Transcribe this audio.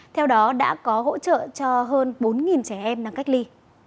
theo đó đã có hỗ trợ cho hơn bốn trẻ em đang cách ly